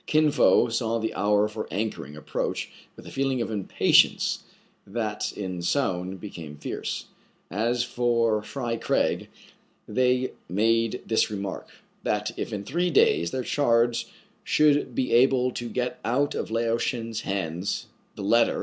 Kin Fo saw the hour for anchoring approach with a feeling of impatience that in Soun became fierce. As for Fry Craig, they made this remark : that, if in three days their charge should be able to get out of Lao Shen's hands the letter